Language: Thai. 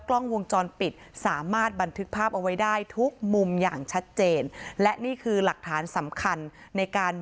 ครอบครัวไม่ได้อาฆาตแต่มองว่ามันช้าเกินไปแล้วที่จะมาแสดงความรู้สึกในตอนนี้